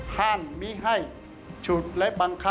ห้ามมีให้ฉุดหรือบังคับอย่างเด็ดขาด